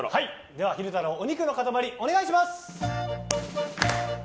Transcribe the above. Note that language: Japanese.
昼太郎、お肉の塊お願いします。